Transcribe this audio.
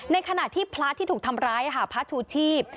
ในขณะที่พระที่ถูกทำร้ายพระชูชีพ